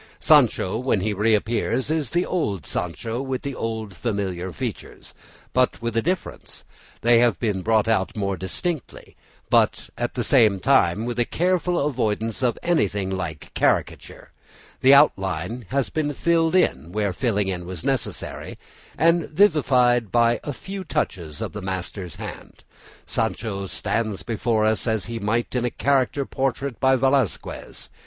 Sancho, when he reappears, is the old Sancho with the old familiar features; but with a difference; they have been brought out more distinctly, but at the same time with a careful avoidance of anything like caricature; the outline has been filled in where filling in was necessary, and, vivified by a few touches of a master's hand, Sancho stands before us as he might in a character portrait by Velazquez.